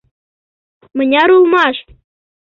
— Мыняр улмаш?